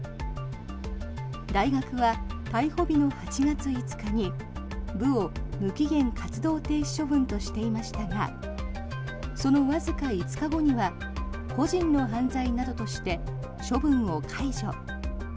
大学は逮捕日の８月５日に部を無期限活動停止処分としていましたがそのわずか５日後には個人の犯罪などとして処分を解除。